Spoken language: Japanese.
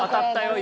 今。